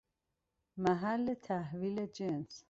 محل تحویل جنس